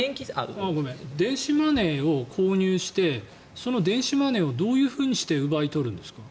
電子マネーを購入してその電子マネーをどうやって奪い取るんですか？